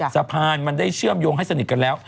สะพานมันได้เชื่อมโยงให้สนิทกันแล้ว